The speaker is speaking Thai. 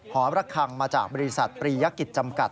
หอระคังมาจากบริษัทปรียกิจจำกัด